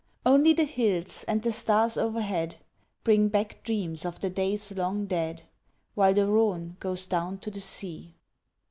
Only the hills and the stars o'erhead Bring back dreams of the days long dead, While the Rhone goes down to the sea.